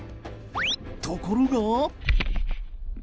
ところが。